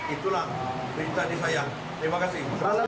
itulah perintah di saya terima kasih